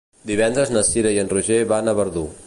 Divendres na Cira i en Roger van a Verdú.